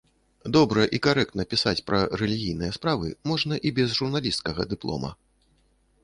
Добра і карэктна пісаць пра рэлігійныя справы можна і без журналісцкага дыплома.